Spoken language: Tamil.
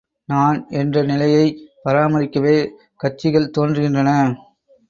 நான் என்ற நிலையை பராமரிக்கவே கட்சிகள் தோன்றுகின்றன.